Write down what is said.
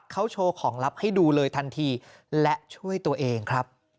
เขาโชว์ของลับให้ดูเลยทันทีและช่วยตัวเองครับ